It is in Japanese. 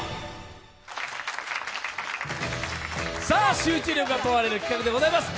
集中力が問われる企画でございます。